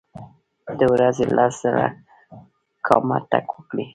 د ورځي لس زره ګامه تګ وکړئ.